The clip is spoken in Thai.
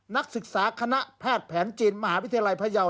นักศึกษาคณะภาคแผนจีนมหาวิทยาลัยพระเยาว์